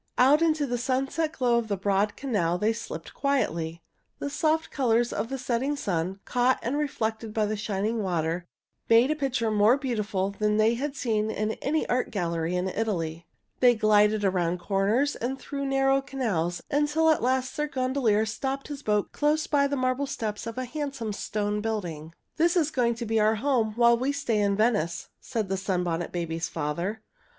Out into the sunset glow of the broad canal they slipped quietly. The soft colors of the setting sun, caught and reflected by the shining water, made a picture more beautiful than they had seen in any art gallery in Italy. [Illustration: They glided around corners and through narrow canals] They glided around corners and through narrow canals, until at last their gondolier stopped his boat close by the marble steps of a handsome stone building. "This is to be our home while we stay in Venice," said the Sunbonnet Babies' father.